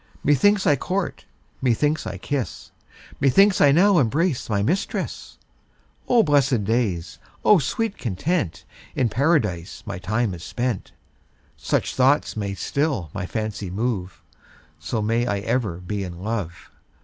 Methinks I court, methinks I kiss, Methinks I now embrace my mistress. O blessed days, O sweet content, In Paradise my time is spent. Such thoughts may still my fancy move, So may I ever be in love.